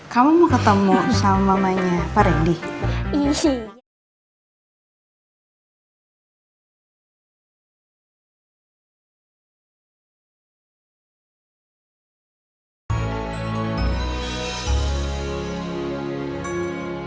kamu mau ketemu sama mamanya pak rendy